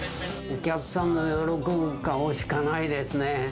お客さんの喜ぶ顔しかないですね。